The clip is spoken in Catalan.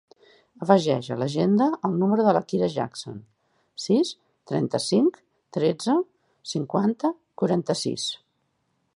Afegeix a l'agenda el número de la Kira Jackson: sis, trenta-cinc, tretze, cinquanta, quaranta-sis.